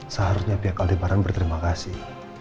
seharusnya pihak aldebaran berterima kasih